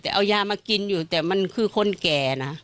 แต่เอายามากินอยู่แต่มันคือคนแก่นะ